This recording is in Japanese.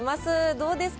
どうですか？